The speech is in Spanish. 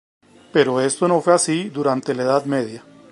Pero esto no fue así durante la Edad Media.